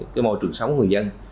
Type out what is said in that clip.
cái môi trường sống người dân